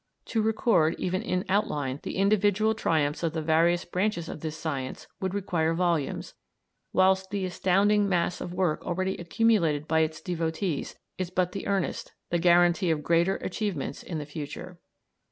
To record, even in outline, the individual triumphs of the various branches of this science would require volumes, whilst the astounding mass of work already accumulated by its devotees is but the earnest, the guarantee of yet greater achievements in the future.